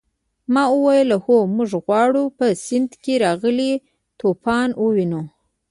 ما وویل هو موږ غواړو په سیند کې راغلی طوفان ووینو.